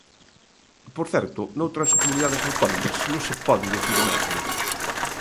Por certo, noutras comunidades autónomas non se pode dicir o mesmo.